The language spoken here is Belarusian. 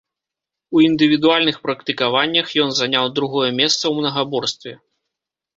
У індывідуальных практыкаваннях ён заняў другое месца ў мнагаборстве.